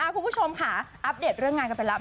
คุณผู้ชมค่ะอัปเดตเรื่องงานกันไปแล้ว